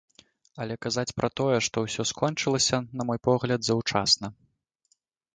Але казаць пра тое, што ўсё скончылася, на мой погляд, заўчасна.